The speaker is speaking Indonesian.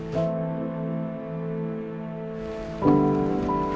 udah kita biarkan istirahat ya